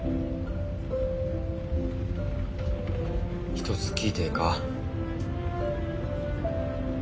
一つ聞いてええか？